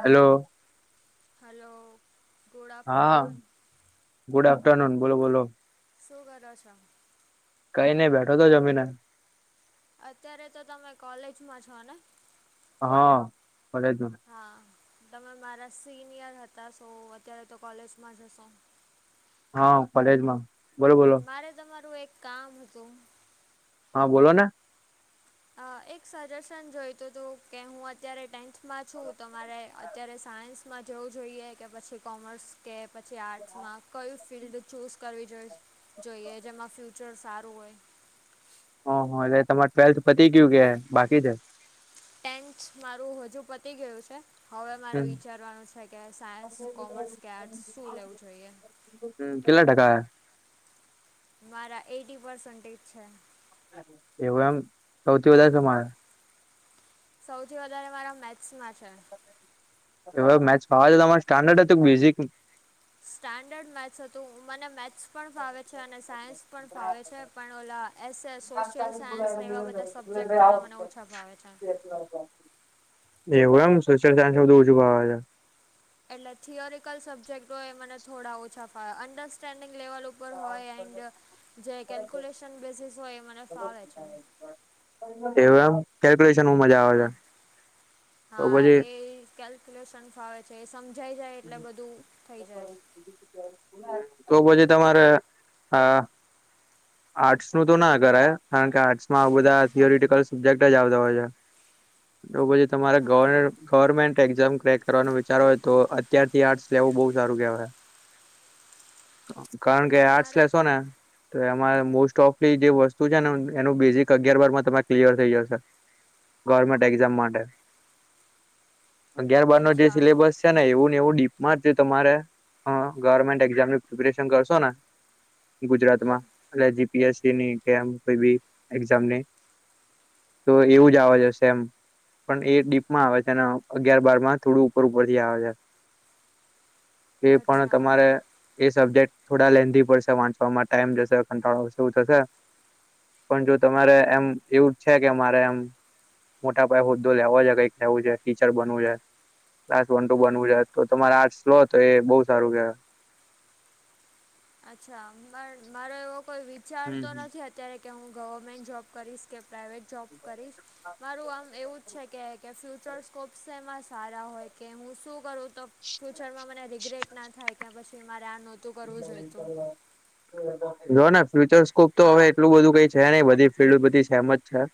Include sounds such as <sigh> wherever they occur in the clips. Hello હાલો હા good afternoon બોલો બોલો શું કરો છો? કઈ નહી બેઠો તો જમીને અત્યારે તો તમે કોલેજમાં છો ને હા કોલેજમાં હા તમે મારા સિનિયર હતા શો અત્યારે તો કોલેજમાં જ હશો હા કોલેજ માં બોરોબર મારે તમારું એક કામ હતું હા બોલો ને એક સજેશન જોઈતું હતું કે હું અત્યારે ટેન્થમાં છું તો મારે અત્યારે સાયન્સમાં જવું જોઈએ કે પછી કોમર્સ કે પછી આર્ટ્સમાં કયું ફિલ્ડ ચૂઝ કરવી જોઈ જોઈએ જેમાં ફ્યુચર સારું હોય. ઓહ એટલે તમારે ટ્વેલ્થ પતિ ગયું કે બાકી છે? ટેન્ટ મારું હજુ પતી ગયું છે. હવે મારે હમ વિચારવાનું છે કે સાયન્સ કોમર્સ કે આર્ટ્સ શું લેવું જોઈએ. હમ કેટલા ટકા આયા મારા એટી પસેન્ટેજ છે. એવું એમ સૌથી હા વધારે સેમાં આવ્યા? સૌથી વધારે મારા મેથ્સમાં છે. એવુ મેથ્સ ફાવે છે તમારે સ્ટાન્ડર્ડ હતું ક બેઝિકનું સ્ટન્ડર્ડ મેથ્સ હતું મને મેથ્સ પણ ફાવે છે અને સાયન્સ પણ ફાવે છે પણ ઓલા એસ એ સોશિયલ સાયન્સને એવા બધા સબ્જેક્ટ. થોડા મને ઓછા ભાવે છે. <inaudible> એવું એમ સોશિયલ સાયન્સમાં વધુ ફાવે છે એટલે થીયરિકલ સબ્જેક્ટ હોય એ મને થોડા ઓછા ફાવે અંડરસ્ટેન્ડિંગ લેવલ ઉ હોય એન્ડ જે કેલ્ક્યુલેશન બેસીસ હોય એ મને ફાવે છે. એ એમ કેલ્ક્યુલેશન મજા આવે હા છે તો પછી. કેલ્ક્યુલેશન્ ફાવે છે એ સમજાઈ જાય એટલે બધું થઈ જાય. તો પછી તમારે આ આર્ટ્સ નું તો ના કરાય કારણ કે આર્ટ્સ માં બધા થથીયોરટિકલ સબ્જેક્ટ જ આવતા હોય છે. તો પછી તમારા ગવર્નર. હા ગવર્મેન્ટ એક્ઝામ ક્રેક કરવાનો વિચારો હોય તો અત્યારથી આર્ટ્સ લેવું બહુ સારું કહેવાય. કારણ કે આર્ટસ મારા લેેશો ને મારે મોસ્ટ ઓફ લી જે વસ્તુ છે ને એનું બેઝિક અગિયાર બમાં તમે ક્લિયર થઈ જશે. ગવર્મેન્ટ એક્ઝામ માટે અગ્યાર બારનો જે અચ્છા સિલેબસ ને એવું ને એવું ડીપમાં જ જે તમારે ગવર્મેન્ટ એઝામની પ્રિપેરેશન કરશો ને. હમ ગુજરાતમાં એટ જીપીએસસી ની કેમ કોઈ બી એક્ઝામની. તો એવું જ આવે છે સેમ પણ એ ડીપ માં આવે છે અને અગિયાર બાર માં થોડું ઉપર ઉપર થી આવે છે. <inaudible> એ પણ તમારે એ સબ્જેક્ટ થોડા લેન્ધી પડશે વાંચવામાં ટાઈમ જશે. કવું થશે પણ જો તમારે એમ એવું છે કે મારે એમ મોટા પાયે હોદ્દો લેવો છે કઈક લેવું છે ટીચર બવું જો છે. ક્લાસ વન ટુ હા બનવું છે તો તમારે આર્ટસ લો તો એ બહ સારું કેહેવાય. અચ્છા પણ મારો એવો કોઈ વિચાર તો હમ નથી અત્યારે કે હું ગવર્મેન્ટ જોબ કરીશ. કે પ્રઇવેટ જોબ જો કરીશ મારું આમ એવું જ છે કે ફ્યુચર સ્કોપ સેમા સારા હોય કે હું શું કરું તો ફ્યુચરમાં મને રિગ્રેટ ના થાય કે પછી મારે આ નહોતું તું કરવું જોઈએ તો. જો ને ફ્યુચર સ્કોપ તો હવે એટલું બધું કઈ છે નહી બધી ફિલ્ડ બધી ફેમ જ છે.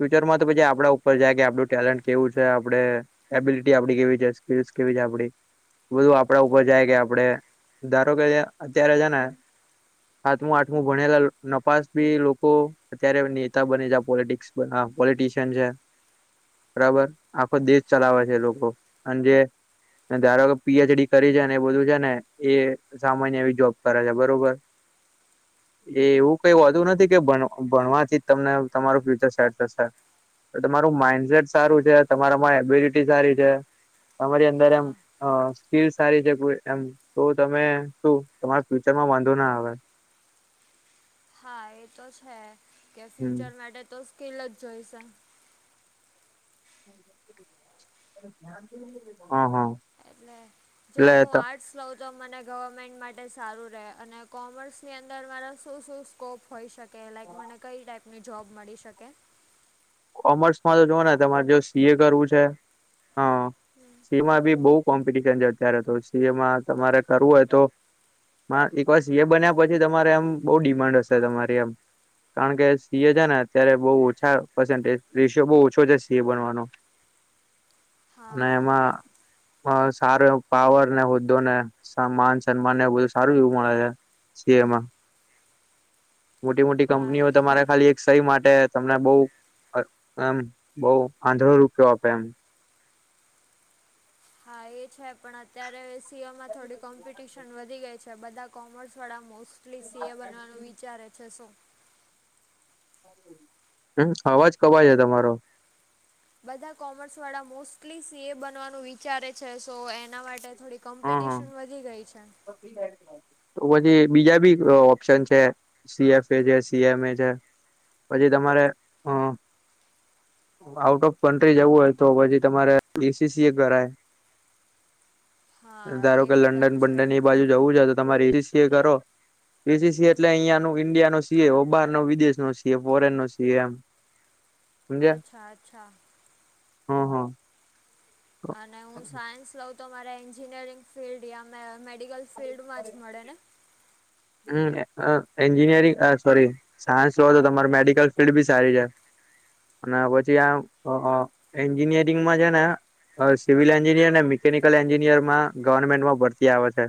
ફ્યુચર માં તો પછી આપડા ઉપર જાય કે આપડું ટેલેન્ટ કેવું છે આપડે એબિલિટી આપડી કેવી છે સ્પસ કેવી છે આપડી બધું આપડા ઉપર જાય કે આપડે ધારો કે અત્યારે છેને હાથમું આઠમું ભણેલા નપાસ બી લોકો અત્યારે નેતા બને જ પોલટસ પોલિટશિયન છે બરાબર. આખો દેશ હા ચલાવે છે લોકો. અન જે ધારો કે પી એચ ડી કરી છે ને એ બધું છે ને. એ સામાન્ય એવી જોબ કરે છે બરોબર. એ એવું કઈ હોતું નથી કે ભણ ભણવાથી જ તમને તમારું ફ્યુચર સેટ થશે. તમારું માઈન્ડસેટ સારું છે તમારામાં એબિલિટી સારી છે તમારી અંદર એમ હા અ સ્કીલ સારી છે કોઈક એમ તો તમે શું તમારા ફ્યુચર માં વાંધો ના આવે હા એ તો છે કે હમ ફ્યુચર માટે તો સ્કીલ જ જોઈશે. હા હા. એટલે જો હું આ એટલે ર્ટસ લઉ તો મને ગવર્મેન્ટ માટે સારું રહે અને કોમર્સની અંદર મારા શું શું સ્કોપ હોઈ શકે લાઈક મને કઈ ટાઈપની જોબ મળી શકે કોમર્સમાં તો જોવા ને તમારે જો સી એ કરવું છે હ એમાં બી બઉ કોમ્પિટશન છે અત્યારે તો સી એમાં તમારે કરવું હોય તો એક વાર સી એ બન્યા પછી તમારે એમ બહુ ડિમાન્ડ હશે તમારી એમ કારણ કે સિ એ છે ને અત્યારે બો ઓછા <unintelligible> રેષિયો બો ઓછો છે સી એ બનવાનો ને હા એમાં હ સારો એવો પાવર ને હોદ્દો ને માન સન્માન ને એવુ બધું સારું એવું મળે છે. સી એ માં મોટી મોટી હા કંપનીઓ એ- તમારા ખાલી સહી માટે તમને બહું એમ બહું આંધળો રૂપિયો આપે એમ. હા એ છે પણ અત્યારે સીઓમાં થોડી કોમ્પિટિશન વધી ગઈ છે બધા કોમર્સ વાળા મોસ્ટલી સી એ બનવાનું વિચારે છે શો હમ અવાજ કપાય છે તમારો બધા કોમર્સ વાળા મોસ્ટલી સી એ બનવાનું વિચારે છે સો એના માટે થોડી હા હા કોમ્પિટિશન વધી ગઈ છે. તો પછી બીજા બી ઓપ્શન છે. સીએફ એ છે સીએમ એ છે પછી તમારે અ આઉટ ઓફ કન્ટ્રી જવું હોય તો પછી તમારે એસીસી એ કરાય. હા ધારો એ કે બધા લંડન જ છે બંડન એ બાજુ વું તમાસીસી કરો પસીસી એટલે અહિયાયાનું ઇન્ડિયા સી એ બહાર નો વિદેશ નો છીએ ફોરેન નો સી એમ. સમજ્યા અચ્છા અચ્છા. હા હા. અને હું સાયન્સ લઉં તો મારે એન્જિનિયરિંગ ફિલ્ડ મે મેડિકલ ફિલ્ડમાં જ મળે ને? હમ એન્જનીરીંગ આ સોરી સાયન્સ જો તો તમારે મેડિકલ ફિલ્ડ બી સારી છે. અને પછી આ એન્જિનિયરિંગમાં છે ને સિવિલ એન્જિનિયર અને મિકેનિકલ એન્જિનિયરમાં ગવર્મેન્ટમાં ભરતી આવે છે.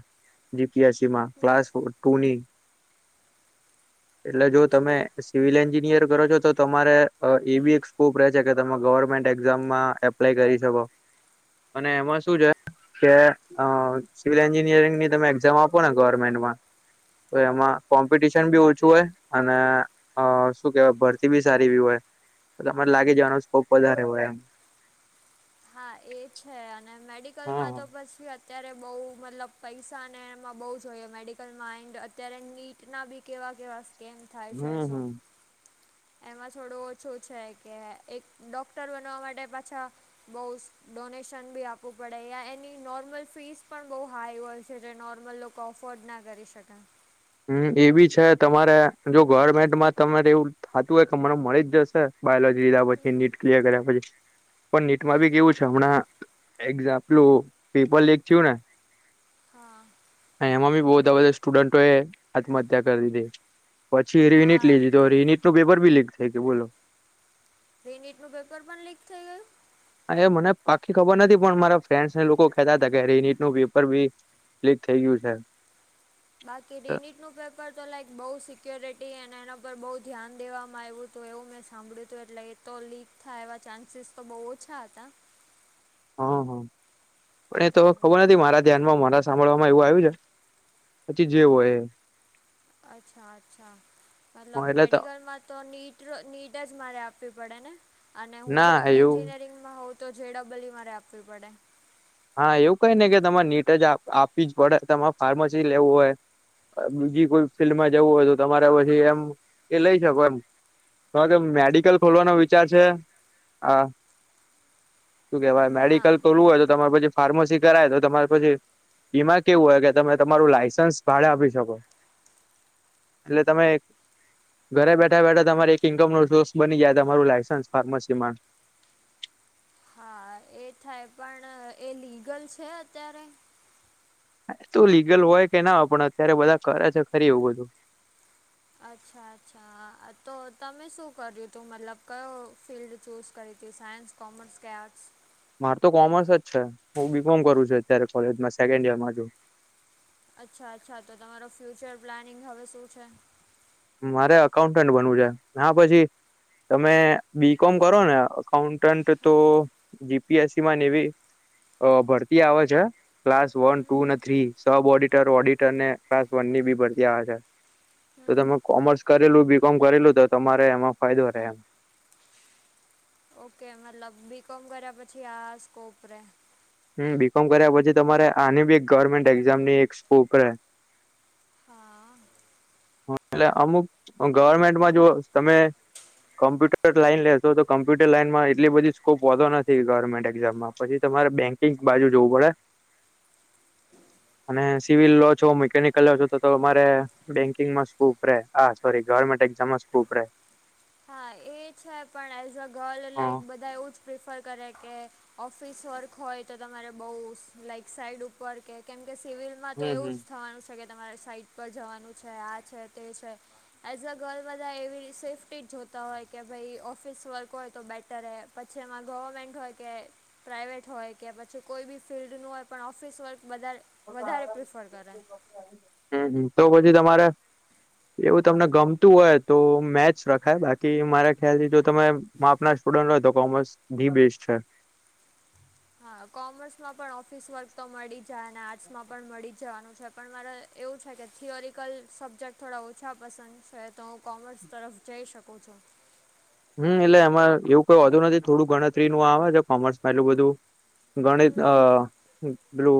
જીપીએસસીમાં ક્લાસ ટુની એટલે જો અચ્છા તમે સિવિલ એન્જિનિયર કરો છો તો તમારે એવી એક સ્કોપ રહે છે કે તમે ગવર્મેન્ટ એક્ઝામમાં અપ્લાય કરી શકો અને એમાં શું છે કે અ હા. સિવિલ એન્જિનિયરિંગ ની તમે એક્ઝામ આપોને ગવર્મેન્ટમાં તો એમાં કોમ્પિટશન બી ઓછું હોય અને અ શું કેવાય ભરતી બી સારી બી હોય તમારે લાગી જવાનો સ્કોપ વધારે હોય એમ. હા એ છે અને હમ મેડિકલમાં તો પછી અત્યારે બહુ મતલબ પૈસાને એમાં બહુ જોઈએ મેડિકલમાં આઇન્ડ અત્યારે નીટ કેટના બી કેવા કેવા સ્કેમ થાય હમ છે હમ શો હમ એમાં થોડું ઓછું છે કે એક ડોક્ટર બનવા માટે પાછા બહ ડોનેશન બી આપવું પડે એની નોર્મલ ફીસ પણ બહુ હાઈ હોય છે જે નોર્મલ લોકો કો અફોર્ડ ના કરી શકે હમ એ બી છે તમારે જો ગવર્મેન્ટ માં તમારે એવું થતું હોય કે મને મળી જ જશે બાયોલોજી લીધા પછી, નીટ ક્લિયર કર્યા પછી, પણ નીટમાં હા બી કેવું છે હમણાં એક્ઝામ્પલું પેપર લીક થયું ને? હા. એમાં બી બઉ વધા બધા સ્ટુડન્ટો એ આત્મહત્યા કર દીધી. પછી રિનીટ હા લીધી તો રિનીટનું પેપર બી લીક થઈ ગયુ બોલો. રિનીટનું પેપર પણ લીક થઈ ગયું? અને મને પાકી ખબર નથી, પણ મારા ફ્રેન્ડ્સને લોકો કહેતા હતા કે, રિનીટનું પેપર બી લીક થઈ ગયું છે. બાકી રિનીટનું પેપર તો લાઈક બઉ સિક્યોરિટી અને એના પર બઉ ધ્યાન દેવામાં આયવું તો એવું મેં સાંભળ્યું તું, એટલે એ તો લીક થાય એવા ચાન્સીસ તો બઉ ઓછા હતા. હમ, હમ, પણ એ તો એટલે ખબર નથી, મારા ધ્યાનમાં મારા સાંભળવામાં એવું આયું છે, પછી જેવ હોય એ. અચ્છા, અચ્છા, એ મતલબ એટલે મેડિકલમાં તો નીટ ટ્ર નીટ જ મારે આપવી પડે ને, અને હું જે ના એવું એન્જિનિયરિંગમાં હોઉં તો ઝેડબલયુ મારે આપવી પડે. હા, એવું કઈ ને કે તમારે નીટ જ આ-આપવી જ પડે. તમાર ફાર્મસી લેવું હોય અ બીજી કોઈ ફિલ્ડમાં જવું હોય તો તમારે પછી એમ, એ લઈ શકો એમ. તો જો કે મેડિકલ ખોલવાનો વિચાર છે, આ <inaudible> શું કેહેવાય, ના મેડિકલ કરવું હોય તો તમારે પછી ફાર્મસી કરાય, તો તમાર પછી એમા કેવું હોય કે તમે તમારું લાયસન્સ ભાડે આપી શકો. એટલે તમે ઘરે બેઠા-બેઠા તમાર એક ઇન્કમનો સોર્સ બની જાય, તમારું લાયસન્સ ફાર્મસીમાં. હા, એ થાય પણ એ લીગલ છે, અત્યારે? તો લીગલ હોય કે ના હોય પણ અત્યારે બધા કરે છે, ખરી એવું બધું. અચ્છા, અચ્છા તો તમે શું કર્યું તું? મતલબ કયો ફિલ્ડ ચૂઝ કરી હતી, સાયન્સ કોમર્સ કે આર્ટ્સ? માર તો કોમર્સ જ છે. હું બીકોમ કરું છું અત્યારે કોલેજમાં સેકન્ડ યરમાં છું. અચ્છા, અચ્છા તો તમારો ફ્યુચર પ્લાનિંગ હવે શું છે? મારે અકાઉટન્ટ બનવું છે. ના, પછી તમે બીકોમ કરો ને અકાઉટન્ટ તો હા જીપીએસસીમાં નેવી અ ભરતી આવે છ. ક્લાસ વન, ટુ હમ ને થ્રી, સબ ઓડિટર ઓડિટરને ક્લાસ વનની બી ભરતી આવે છે. તો હમ તમે કોમર્સ કરેલું, બીકોમ કરેલું, તો તમારે એમાં ફાયદો રે એમ. ઓકે, મતલબ બીકોમ કર્યા પછી આ સ્કોપ રે. હમ, બીકોમ કર્યા પછી તમારે આની બી એક ગવર્મેન્ટ એક્ઝામની એક સ્કોપ રે. હા. એટલે અમુક ગવર્મેન્ટમાં જો તમે કોમ્પ્યુટર લાઈન લેશો, તો કોમ્પ્યુટર લાઈનમાં એટલી બધી સ્કોપ હોતો નથી ગવર્મેન્ટ એક્ઝામમાં. પછી તમારે બેંકિંગસ બાજુ જોવું પડે <inaudible> અને સિવિલ લો છો, મેકેનિકલ લો છો, તો તો તમારે બેંકિંગમાં સ્કૂપ રે, આ સોરી ગવર્મેન્ટ એક્ઝામમાં સ્કૂપ રે. હા, એ છે પણ એઝ અ ગર્લ હા લાઈક બધા એવું જ પ્રિફર કરે કે, ઓફિસ વર્ક હોય તો તમારે બઉ લાઈક સાઈડ ઉપર કે કેમ કે સિવિલમાં તો હમ એવું હમ જ થવાનું છે કે, તમારે સાઈટ પર જવાનું છે, આ છે, તે છે. એઝ અ ગર્લ બધા એવી સેફ્ટી જો તા હોય કે ભઈ ઓફિસ વર્ક હોય તો બેટર રે, પછી એમાં ગવર્મેન્ટ હોય કે પ્રાઇવેટ હોય કે પછી કોઈ બી ફિલ્ડનું હોય પણ ઓફિસ વર્ક બધાર હમ, હમ, તો પછી તમારે એવું તમને ગમતું હોય તો મેથ્સ રખાય, બાકી મારા ખ્યાલથી તો તમે માપના સ્ટુડન્ટ હોય તો કોમર્સ બી બેસ્ટ છે. હા કોમર્સમાં પણ ઓફિસ વર્ક તો મળી જાય. આર્ટસ માં પણ મળી જવાનું છે. પણ મારે એવું છે કે થિયોરિકલ કરી સબ્જેક્ટ થોડા ઓછા પસંદ છે તો હું કોમર્સ તરફ જઈ શકો છું. હમ એટલે એમાં એવું કઈ વધુ નથી થોડું ગણતરી નું આવે છે કોમર્સમાં એલું બધું. ગણિત અ બલુ.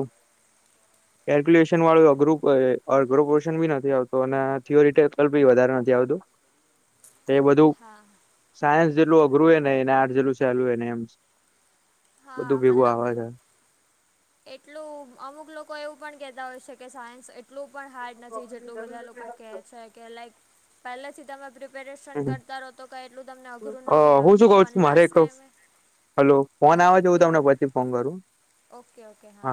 <inaudible> કેલ્ક્યુલેશન વાળું અઘરું પડે અઘરું પોશન ભી નથી આવતો અને થિરીટેપી વધારે નથી આવતું. <inaudible> એ બધું. હા. સાયન્સ જેટલું અઘરું નહ એ આર્ટ જેટલું સેલુ એને એમ હા બધું ભેગું મતલબ આવે છે. એટલું અમુક લોકો એવું પણ કેહેતા હોય છે. કે સાયન્સ એટલું પણ હાર્ડ નથી. જેટલું બધા લોકો કે છે કે લાઈક પહેલાથી તમે પિપ્રેશન કરતા રહોતો કઈ એટલું તમને અઘરું અ નથી હું શું લાગતું. કઉ પણ છું મારે લાસ્ટ એક ટાઈમે. હલો ફોન આવે છે હું ઓકે તમને ઓકે પછી ફોન કરું. ઓકે ઓકે હા.